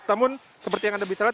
namun seperti yang anda bisa lihat